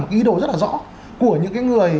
một cái ý đồ rất là rõ của những cái người